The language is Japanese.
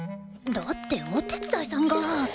だってお手伝いさんが